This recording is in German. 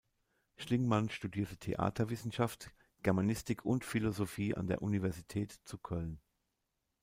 Schlingmann studierte Theaterwissenschaft, Germanistik und Philosophie an der Universität zu Köln.